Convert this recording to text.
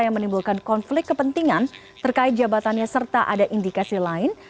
yang menimbulkan konflik kepentingan terkait jabatannya serta ada indikasi lain